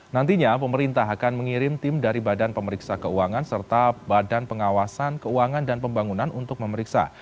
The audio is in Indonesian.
nantinya pemerintah akan mengirim tim dari badan pemeriksa keuangan serta badan pengawasan keuangan dan pembangunan untuk memeriksa